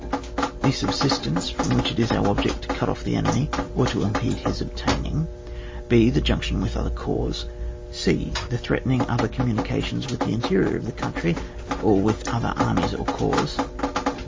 The subsistence from which it is our object to cut off the enemy, or to impede his obtaining. (ft.) The junction with other corps. \c ) The threatening other communi cations with the interior of the country, or with other armies or corps.